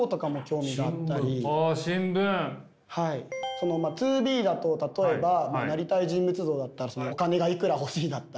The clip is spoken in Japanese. そのまあＴｏＢｅだと例えばなりたい人物像だったらお金がいくら欲しいだったり。